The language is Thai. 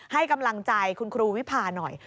ให้กำลังใจคุณครูวิพาหน่อย